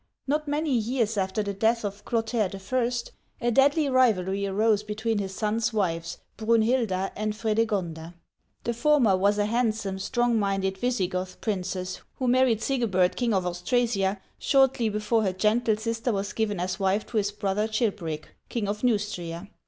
Not many years after the death of Clotaire I., a deadly rivalry arose between his sons' wives, Brunhil'da and Fredegon'da. The former was a handsome, strong minded Visigoth princess, who married Sig'ebert, king of Austrasia, shortly before her gentle sister was given as wife to his brother Chil'peric, king of Neustria.